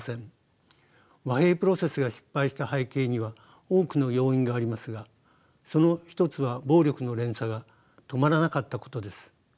和平プロセスが失敗した背景には多くの要因がありますがその一つは暴力の連鎖が止まらなかったことです。